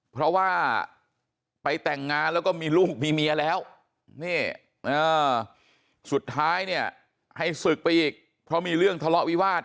เพราะว่าไปแต่งงานแล้วก็มีลูกมีเมียแล้วสุดท้ายเนี่ยให้ศึกไปอีกเพราะมีเรื่องทะเลาะวิวาส